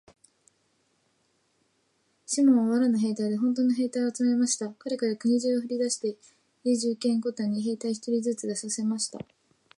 シモンは藁の兵隊でほんとの兵隊を集めました。かれは国中にふれを出して、家十軒ごとに兵隊一人ずつ出させました。